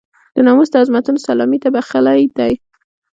د ناموس د عظمتونو سلامي ته بخښلی دی.